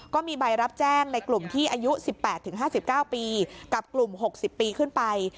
ก็มีใบรับแจ้งในกลุ่มที่อายุ๑๘๕๙ปีกับกลุ่ม๖๐ปีขึ้นไป